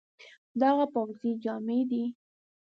دا هغه پوځي جامي دي،